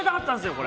これ！